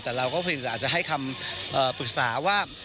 แต่เราก็อาจจะให้คำปรึกษาว่า